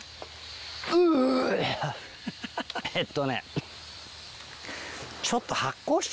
えっとね。